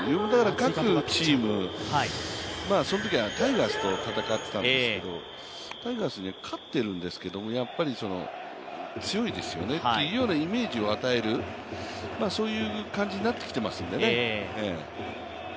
各チーム、そのときはタイガースと戦っていたんですけどタイガースは勝ってるんですけれども、強いですねっていうようなイメージを与える感じになってきていますよね。